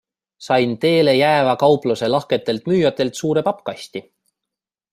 Sain teele jääva kaupluse lahketelt müüjatel suure pappkasti.